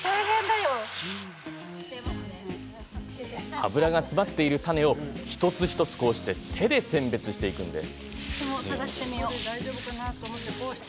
油が詰まっている種を一つ一つ手で選別していきます。